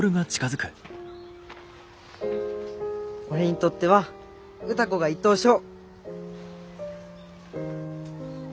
俺にとっては歌子が１等賞。